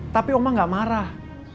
tapi oma gak marah